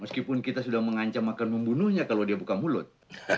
meskipun kita sudah mengancam akan membunuhnya kalau dia buka mulut